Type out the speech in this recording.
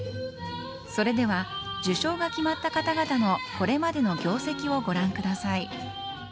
それでは受賞が決まった方々のこれまでの業績をご覧ください。